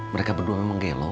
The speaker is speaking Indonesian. mereka berdua memang gelo